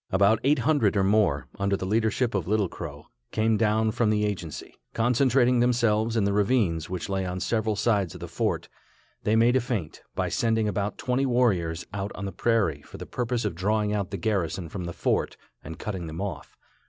About eight hundred or more, under the leadership of Little Crow, came down from the agency. Concentrating themselves in the ravines which lay on several sides of the fort, they made a feint, by sending about twenty warriors out on the prairie for the purpose of drawing out the garrison from the fort, and cutting them off.